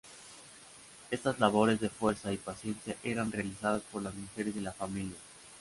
Estás labores de fuerza y paciencia eran realizadas por las mujeres de la familia.